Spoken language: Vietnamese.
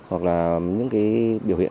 hoặc là những cái biểu hiện